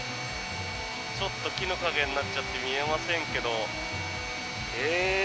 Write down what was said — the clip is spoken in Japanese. ちょっと気の陰になっちゃって見えませんけど。